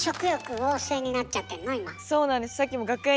そうなんです。